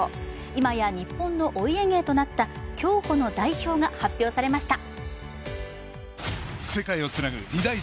今や日本のお家芸となった競歩の代表が発表されました。